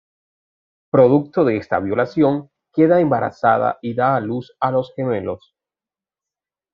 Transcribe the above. Producto de esta violación, queda embarazada y da a luz a los gemelos.